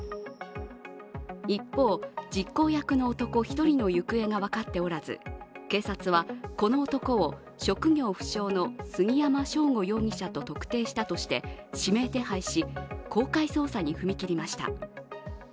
一方、実行役の男１人の行方が分かっておらず警察はこの男を職業不詳の杉山翔吾容疑者と特定したとして指名手配し公開捜査に踏み切りました。